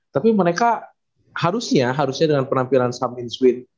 tapi mereka harusnya dengan penampilan sam insuin